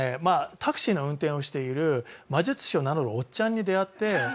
タクシーの運転をしている魔術師を名乗るおっちゃんに出会って。